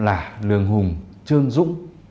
là lường hùng trương dũng